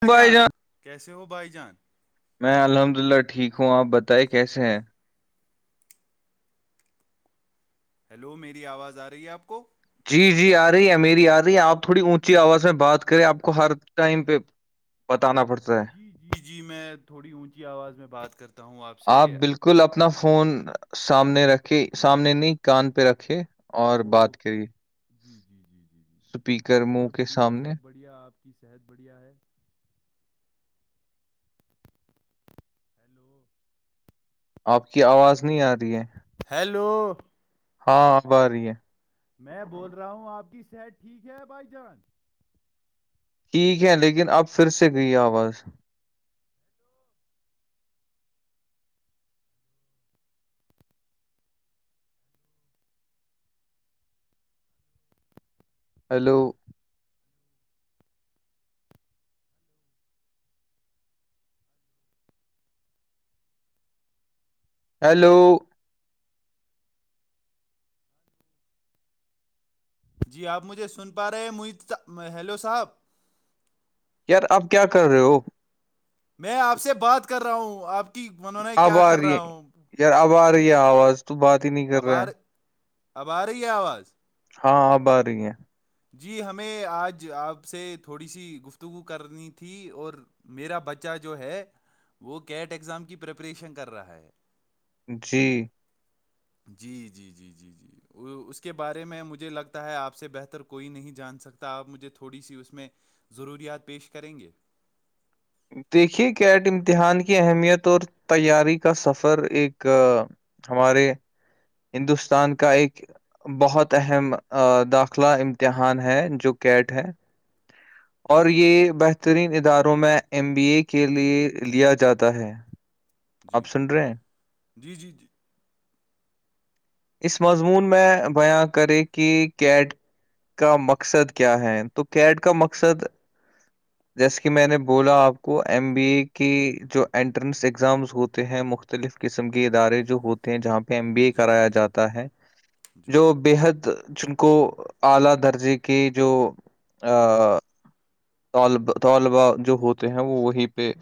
بھائی جان کیسے ہو بھائی جان میں الحمد للہ ٹھیک ہوں آپ بتائیں کیسے ہیں ہیلو میری آواز آ رہی ہے آپ کو جی جی آ رہی ہے ا میری آ رہی ہے آپ تھوڑی اونچی آواز میں بات کریں آپ کو ہر ٹائم پہ بتانا پڑتا ہے جی جی جی جی میں تھوڑی اونچی آواز میں بات کرتا ہوں سے آپ بالکل اپنا فون سامنے رکھے سامنے نہیں کان پہ رکھے اور او بات کری جی جی جی جی جی جی منہ اور کے بڑھیا سامنے سب بڑھیا آپ کی صحت بڑھیا ہے ہیلو آپ کی آواز نہیں آ رہی ہے ہیلو ہاں آب آ رہی ہے میں بول رہا ہوں آپ کی صحت ٹھیک ہے بائی چانس ٹھیک ہے لیکن اب پھر سے گئی آواز ہیلو ہیلو جی آپ مجھے سن پا رہے ہیں مح ہیلو صاحب یار آپ کیا کر رہے ہو میں آپ سے بات کر رہا ہوں آپ کی ونون اب کیا آ کر رہی ہے رہا ہوں یار اب آ رہی ہے آواز تو بات ہی نہیں کر اب رہا آ ہے ر- اب آ رہی ہے آواز ہاں آب آ رہی ہیں جی ہمیں آج آپ سے تھوڑی سی گفتگو کرنی تھی اور میرا بچہ جو ہے وہ کیٹ اگزام کی پریپریشن کر رہا ہے جی جی جی جی جی جی اس کے بارے میں مجھے لگتا ہے آپ سے بہتر کوئی نہیں جان سکتا آپ مجھے تھوڑی سی اس میں ضروریات پیش کریں گے دیکھیے کیٹ امتحان کی اہمیت اور تیاری کا سفر ایک ہمارے ہندوستان کا ایک بہت اہم داخلہ امتحان ہے جو کیٹ ہے جی اور جی یہ بہترین اداروں میں ایم بی اے کے لیے لیا جاتا ہے جی آپ سن رہے ہیں جی جی جی اس مضمون میں بیاں کرے کہ کیٹ کا مقصد کیا ہے تو کیڈ کا مقصد [unintelligible] جیسے کہ میں نے بولا آپ کو ایم بی اے کی جو انٹرنس اگزامس ہوتے ہیں مختلف قسم کے ادارے جو ہو ہیں جہاں پہ ایم بی اے جی جی کرایا جی جاتا ہے جی جو بے حد چن کو اعلآ درجے کے جو طالب طالبا جو ہوتے ہیں وہ وہیں پہ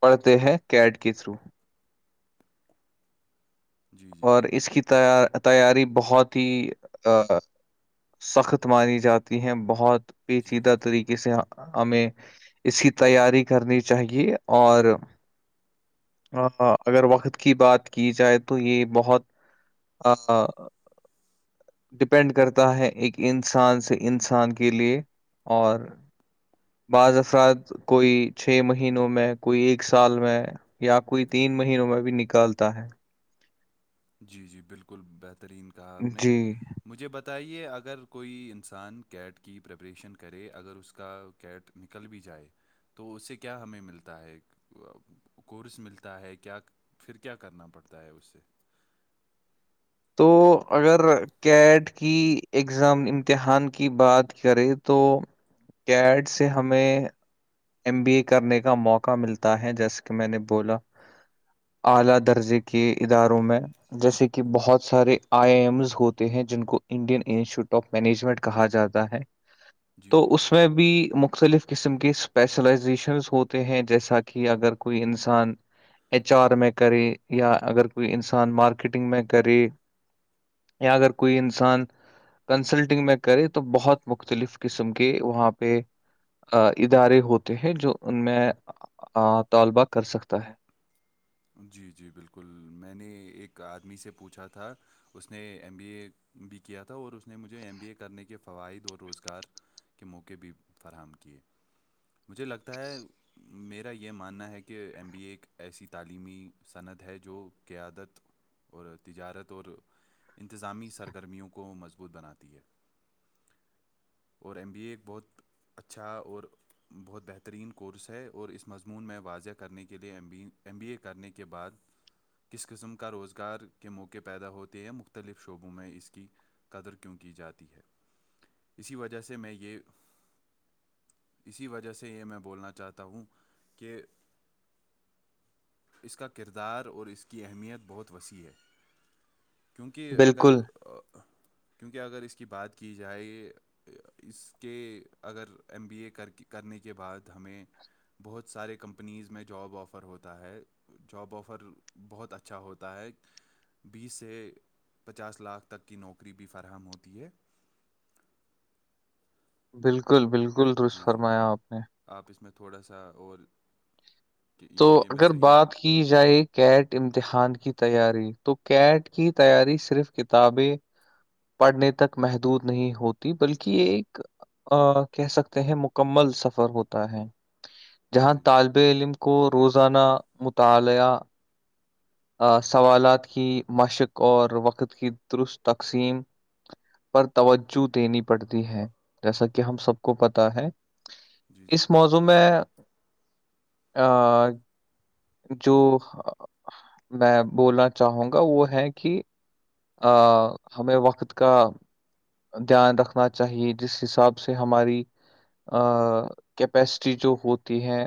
پڑھتے ہیں کیڈ کے تھرو جی جی اور جی اس کی تیاری بہت ہی سخت مانی جاتی ہیں بہت پیچھی جی دتری سے ہمیں اس کی تیاری کرنی چاہیے اور ہاںاں اگر وقت کی بات کی جائے تو یہ بہت ڈپینڈ کرتا ہے ایک انسان سے انسان کے لیے اور بعض افراد کوئی چھ مہینوں میں کوئی ایک سال میں یا کوئی تین مہینوں میں بھی نکالتا ہے جی جی بالکل بہترین کہا آپ نے جی مجھے بتائیے اگر کوئی انسان کیٹ کی پریپریشن کرے اگر اس کا کیٹ نکل بھی جائے تو اس سے کیا ہمیں ملتا ہے کورس ملتا ہے کیا پھر کیا کرنا پڑتا ہے اس سے تو اگر کیٹ کی اگزام امتحان کی بات کرے تو کیڈ سے ہمیں [unintelligible] ایم بی اے کرنے کا موقع ملتا ہے جیسے کہ میں نے بولا اعلی درجے کے اداروں میں جیسے کہ بہت سارے آئی آئی ایمز ہوتے ہیں جن کو انڈین انسٹیٹیوٹ آف مینجمنٹ کہا جاتا ہے جی تو جی اس میں بھی بھی مختلف قسم کے اسپیشلزیشن ہوتے ہیں جیسا کہ اگر کوئی انسان ایچ آر میں کرے یا اگر کوئی انسان مارکیٹنگ میں کرے یا اگر کوئی انسان کنسلٹنگ میں کرے تو بہت مختلف قسم کے وہاں پہ ادارے ہوتے ہیں جو ان میں طالبہ کر سکتا ہے جی جی بالکل میں نے ایک آدمی سے پوچھا تھا اس نے ایم بی اے بھی کیا تھا اور اس نے مجھے ایم بی اے کرنے کے فوائد اور روزگار کے موقعے بھی فراہم کیے مجھے لگتا ہے میرا یہ ماننا ہے کہ ایم بی اے ایسی تعلیمی سنعت ہے جو قیادت اور تجارت اور انتظامی سرگرمیوں کو مضبوط بناتی ہے اور ایم بی اے ایک بہت اچھا اور بہت بہترین کورس ہے اور اس مضمون میں واضح کرنے کے لئے E B M B A کرنے کے بعد کس قسم کا روزگار کے موقعے پیدا ہوتے ہیں مختلف شعبوں میں اس کی قدر کیوں کی جاتی ہے اسی وجہ سے میں یہ اسی وجہ سے یہ میں بولنا چاہتا ہوں کہ اس کا کردار اور اس کی اہمیت بہت وسیع ہے کیونکہ اگر بالکل کیونکہ اگر اس کی بات کی جائے اس کے اگر ایم بی اے کر کے کرنے کے بعد ہمیں بہت سارے کمپنیز میں جاب آفر آفر ہوتا ہے جاب آفر بہت اچھا ہوتا ہے بیس سے پچاس لاکھ تک کی نوکری بھی فراہم ہوتی ہے بالکل بالکل درست جی فرمایا جی آپ نے اپ اس میں تھوڑا سا اور کہ تو یہ میں اگر صحیح ب- بات کی جائے کیٹ امتحان کی تیاری تو کیٹ کی تیاری صرف کتابیں پڑھنے تک محدود نہیں ہوتی بلکہ ایک کہہ سکتے ہیں مکمل سفر ہوتا ہے جہاں جی طالب علم کو روزانہ مطالعہ سوالات کی مشق اور وقت کی درست تقسیم پر توجہ دینی پڑتی ہے جیسا کہ ہم سب کو پتا ہے جی جی اس موضوع میں آ جو [unintelligible] میں بولنا چاہوں گا وہ ہے کہ ہمیں وقت کا دھیان رکھنا چاہیے جس حساب سے ہماری ا کیپیسٹی جو ہوتی ہے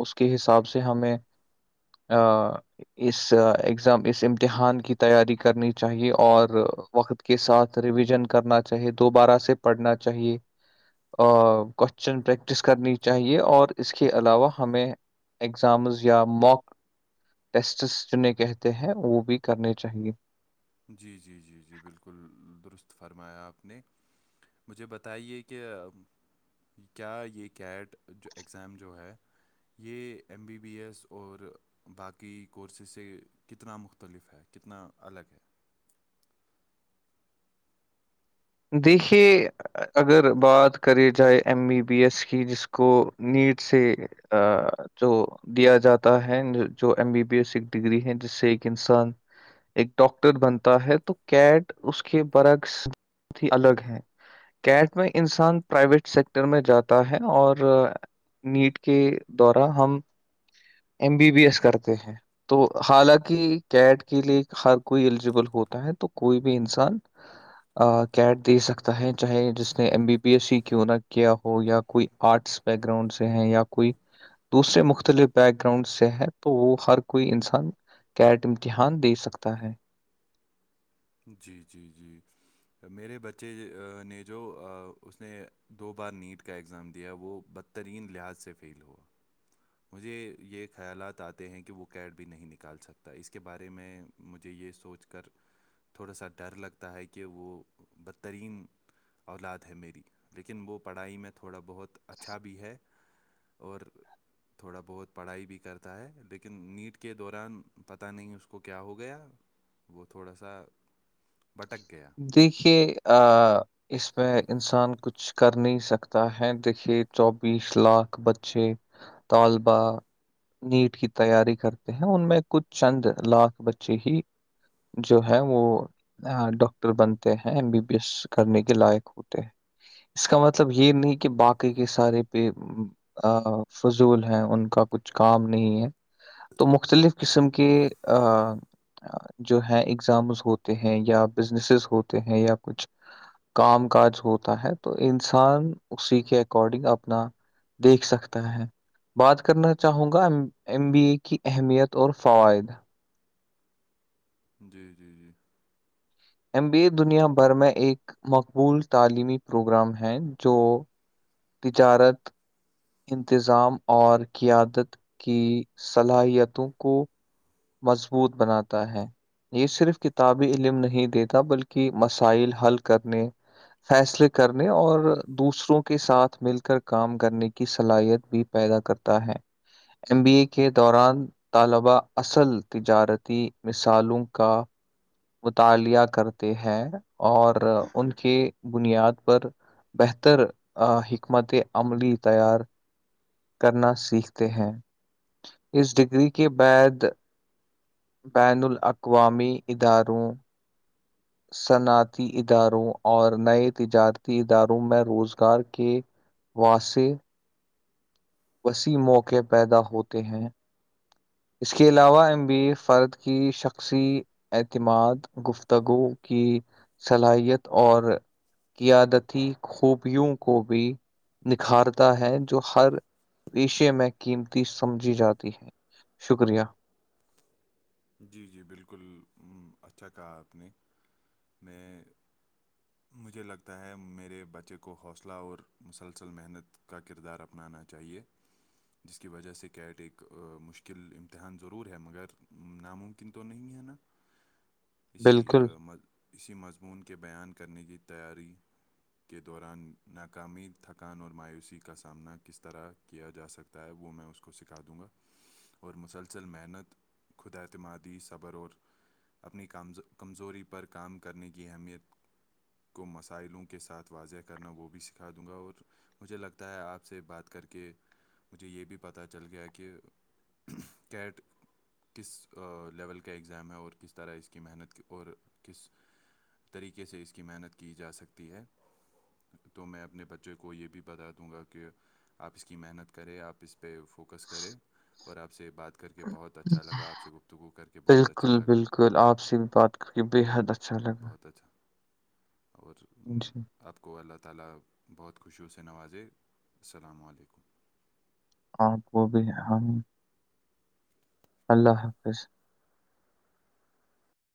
اس کے حساب سے ہمیں ہ اس ایگزام اس امتحان کی تیاری کرنی چاہیے اور وقت کے ساتھ ریویژن کرنا چاہیے دوبارہ سے پڑھنا چاہیے کوشچن پریکٹس کرنی چاہیے اور اس کے علاوہ ہمیں ایگزامز یا موک ٹیسٹس جنہیں کہتے ہیں وہ بھی کرنے چاہیے جی جی جی جی بالکل درست فرمایا آپ نے مجھے بتائیے کہ کیا یہ کیٹ جو ایگزام جو ہے یہ ایم بی بی ایس اور باقی کورسز سے کتنا مختلف ہے کتنا الگ ہے دیکھیے اگر بات کری جائے ایم بی بی ایس کی جس کو نیٹ سے ا تو دیا جاتا ہے جو ایم بی بی ایس ایک ڈگری ہے جس سے ایک انسان ایک ڈاکٹر بنتا ہے تو کیٹ اس کے برعکس بہت ہی الگ ہے کیٹ میں انسان پرائیویٹ سیکٹر میں جاتا ہے اور نیٹ کے دوارا ہم ایم بی بی ایس کرتے ہیں تو حالانکہ کیٹ کے لیے ہر کوئی ایلیجیبل ہوتا ہے تو کوئی بھی انسان کیڈ دے سکتا ہے چاہے جس نے ایم بی بی ایس سی کیوں نہ کیا ہو یا کوئی آرٹس بیک گراؤنڈ سے ہیں یا کوئی دوسرے مختلف بیک گراؤنڈ سے ہے تو وہ ہر کوئی انسان کیٹ امتحان دے سکتا ہے جی جی جی میرے بچے نے جو اس نے دو بار نیٹ کا ایگزام دیا وہ ب ترین لحاظ سے فیل ہوا مجھے یہ خیالات آتے ہیں کہ وہ کیڈ بھی نہیں نکال سکتا اس کے بارے میں مجھے یہ سوچ کر تھوڑا سا ڈر لگتا ہے کہ وہ بدترین اولاد ہے میری لیکن وہ پڑھائی میں تھوڑا بہت اچھا بھی ہے اور تھوڑا بہت پڑھائی بھی کرتا ہے لیکن نیٹ کے دوران پتہ نہیں اس کو کیا ہو گیا وہ تھوڑا سا بھٹک گیا دیکھیے اس میں انسان کچھ کر نہیں سکتا ہے دیکھیے چوبیس لاکھ بچے طالبا نیٹ کی تیاری کرتے ہیں ان میں کچھ چند لاکھ بچے ہی جو ہے وہ ڈ [unintelligible] ڈٹر بنتے ہیں ایم بی بی ایس کرنے کے لائق ہوتے ہیں اس کا مطلب یہ نہیں کہ باقی کے سارے پہ ا فضول ہیں ان کا کچھ کام نہیں ہے تو مختلف قسم کے جو ہیں ایگزامز ہوتے ہیں یا بزنسز ہوتے ہیں یا کچھ کام کاج ہوتا ہے تو انسان اسی کے اکارڈنگ اپنا دیکھ سکتا ہے بات کرنا چاہوں گا ایم بی اے کی اہمیت اور فوائد جی جی جی ایم بی اے دنیا بھر میں ایک مقبول تعلیمی پروگرام ہیں جو ت چ عرت انتظام اور قیادت کی صلاحیتوں کو مضبوط بناتا ہے یہ صرف کتابی علم نہیں دیتا بلکہ مسائل حل کرنے فیصلے کرنے اور دوسروں کے ساتھ مل کر کام کرنے کی صلاحیت بھی پیدا کرتا ہے ایم بی اے کے دوران طلبا اصل تجارتی مثالوں کا مطالعہ کرتے ہیں اور ان کے بنیاد پر بہتر حکمت عملی تیار کرنا سیکھتے ہیں اس ڈگری کے بعد بین الاقوامی اداروں صنعتی اداروں اور نئے تجارتی اداروں میں روزگار کے واسی وسیع موقعے پیدا ہوتے ہیں اس کے علاوہ ایم بی فرد کی شخصی اعتماد گفتگو کی صلاحیت اور قیادتی خوبیوں کو بھی نکھارتا ہے جو ہر پیشے میں قیمتی سمجھی جاتی ہے شکریہ جی جی بالکل اچھا کہا آپ نے میں مجھے لگتا ہے میرے بچے کو حوصلہ اور مسلسل محنت کا کردار اپنانا چاہیے جس کی وجہ سے کیٹ ایک مشکل امتحان ضرور ہے مگر ناممکن تو نہیں ہے نا اسی بالکل اسی مضمون کے بیان کرنے کی تیاری کے دوران ناکامی تھکان اور مایوسی کا سامنا کس طرح کیا جا سکتا ہے وہ میں اس کو سکھا دوں گا اور مسلسل محنت خدا اتمادی صبر اور اپنی کامز کمزوری پر کام کرنے کی اہمیت کو مسائلوں کے ساتھ واضح کرنا وہ بھی سکھا دوں گا اور مجھے لگتا ہے آپ سے بات کر کے مجھے یہ بھی پتہ چل گیا کہ کیٹ [unintelligible] کس لیول کا ایگزام ہے اور کس طرح اس کی محنت اور کس طریقے سے اس کی محنت کی جا سکتی ہے تو میں اپنے بچے کو یہ بھی بتا دوں گا کہ آپ اس کی محنت کرے آپ اس پہ فوکس کرے اور آپ سے بات کر کے بہت اچھا اچھا لگ آپ سے گفتگو کر کے بہت بالکل اچھا لگا بالکل آپ سے بھی بات کر کے بےحد اچھا لگا بہت اچھا اور جی اپ کو اللہ تعالی بہت خوشیوں سے نوازے السلام علیکم آپ کو بھی ہم اللہ حافظ